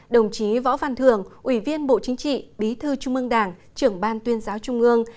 đồng chí võ văn thường ủy viên bộ chính trị bí thư trung ương đảng trưởng ban tuyên giáo trung ương